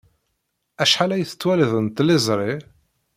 Acḥal ay tettwalid n tliẓri?